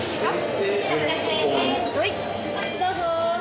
どうぞ。